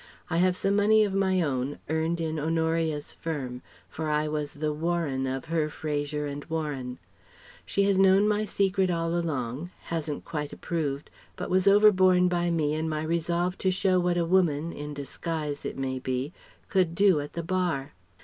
I have some money of my own, earned in Honoria's firm, for I was the 'Warren' of her 'Fraser and Warren.' She has known my secret all along, hasn't quite approved, but was overborne by me in my resolve to show what a woman in disguise, it may be could do at the Bar.